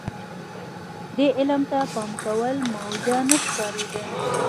دې علم ته پام کول موجه نه ښکارېده.